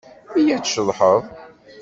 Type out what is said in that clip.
Iyya ad tceḍḥeḍ!